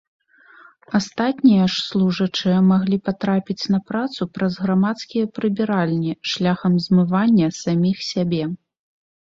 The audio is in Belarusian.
Астатнія ж служачыя маглі патрапіць на працу праз грамадскія прыбіральні шляхам змывання саміх сябе.